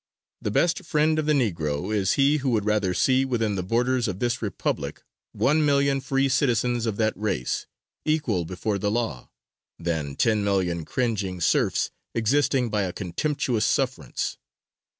The best friend of the Negro is he who would rather see, within the borders of this republic one million free citizens of that race, equal before the law, than ten million cringing serfs existing by a contemptuous sufferance.